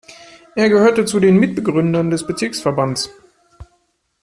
Er gehörte zu den Mitbegründern des Bezirksverbandes.